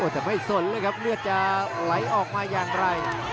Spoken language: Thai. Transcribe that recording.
แต่ไม่สนเลยครับเลือดจะไหลออกมาอย่างไร